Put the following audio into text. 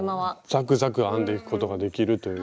ザクザク編んでいくことができるという。